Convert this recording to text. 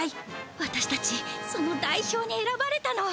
わたしたちその代表にえらばれたの！